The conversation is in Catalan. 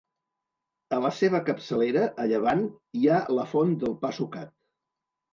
A la seva capçalera, a llevant, hi ha la Font del Pa Sucat.